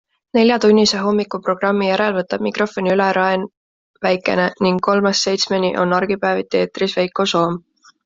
Neljatunnise hommikuprogrammi järel võtab mikrofoni üle Raen Väikene ning kolmest seitsmeni on argipäeviti eetris Veiko Soom.